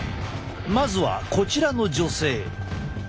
まずはこちらの女性。